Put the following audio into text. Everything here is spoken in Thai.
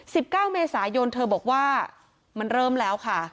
เก้าเมษายนเธอบอกว่ามันเริ่มแล้วค่ะ